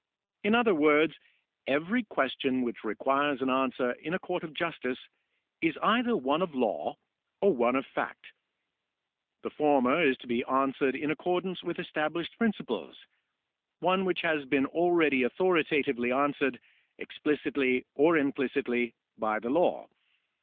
In other words, every question which requires an answer in a court of justice is either one of law or one of fact. The former is one to be answered in accordance with estab lished principles — one which has been already authoritatively answered, explicitly or implicitly, by the law.